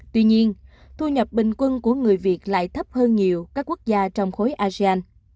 tuy nhiên thu nhập bình quân của người việt lại thấp hơn nhiều các quốc gia trong khối asean